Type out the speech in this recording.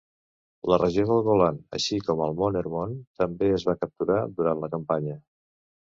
La regió del Golan, així com el mont Hermon, també es va capturar durant la campanya.